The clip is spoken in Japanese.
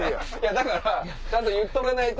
だからちゃんと言っとかないと。